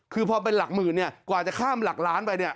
คือพอเป็นหลักหมื่นกว่าจะข้ามหลักล้านไป